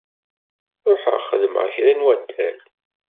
Ruḥeɣ xedmeɣ kra n waddal.